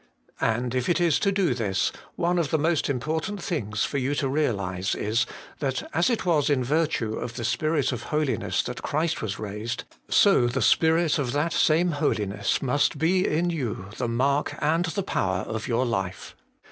And if it is to do this, one of the most important things for you to realize is, that as it was in virtue of the Spirit of holiness that Christ was raised, so the Spirit of that same holiness must be in you the mark and the power of your life.